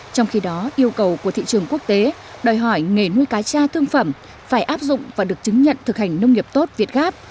trong khi đó yêu cầu của thị trường quốc tế đòi hỏi nghề nuôi cá cha thương phẩm phải áp dụng và được chứng nhận thực hành nông nghiệp tốt việt gáp